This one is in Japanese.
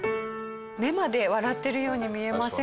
目まで笑ってるように見えませんか？